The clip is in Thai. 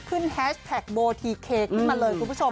แฮชแท็กโบทีเคขึ้นมาเลยคุณผู้ชม